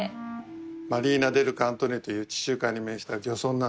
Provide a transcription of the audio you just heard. マリナ・デル・カントーネという地中海に面した漁村なんですよ。